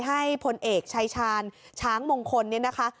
ให้พลเอกชายชาญช้างมงคลเนี่ยนะคะ